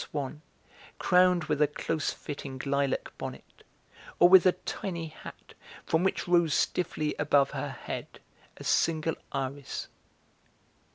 Swann, crowned with a close fitting lilac bonnet, or with a tiny hat from which rose stiffly above her head a single iris?"